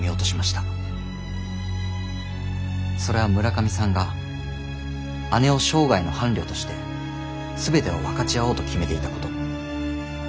それは村上さんが姉を生涯の伴侶として全てを分かち合おうと決めていたこと。